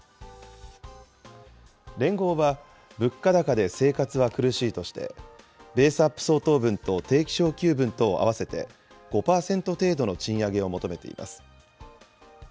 連合は、物価高で生活は苦しいとして、ベースアップ相当分と定期昇給分とを合わせて５％程度の賃上げを求めています。